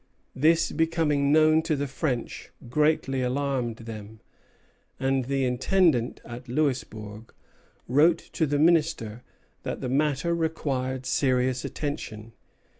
This, becoming known to the French, greatly alarmed them, and the Intendant at Louisbourg wrote to the Minister that the matter required serious attention.